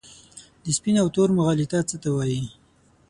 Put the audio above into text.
د سپین او تور مغالطه څه ته وايي؟